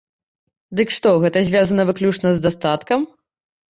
Дык што, гэта звязана выключна з дастаткам?